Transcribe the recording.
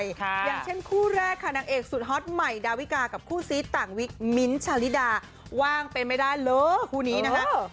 อย่างเช่นคู่แรกค่ะนางเอกสุดฮอตใหม่ดาวิกากับคู่ซีดต่างวิกมิ้นท์ชาลิดาว่างไปไม่ได้เลยคู่นี้นะคะ